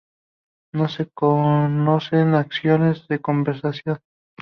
No se conocen acciones de conservación.